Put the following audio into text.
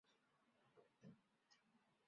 黄晋发是美湫省平大县人。